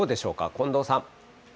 近藤さん。